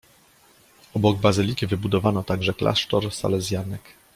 Obok bazyliki wybudowano także klasztor salezjanek.